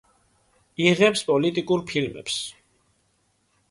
იღებს პოლიტიკურ ფილმებს.